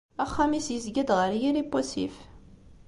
Axxam-is yezga-d ɣer yiri n wasif.